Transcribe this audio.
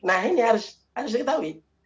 nah ini harus kita ketahui